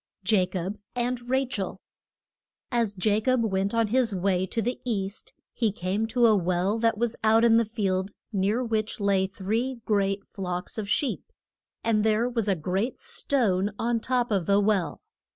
JACOB AND RACHEL. AS Ja cob went on his way to the East he came to a well that was out in the field, near which lay three great flocks of sheep. And there was a great stone on top of the well.